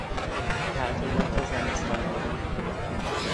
تعطیلات زمستانی